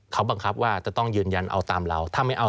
เขาบังคับว่าจะต้องยืนยันเอาตามเรา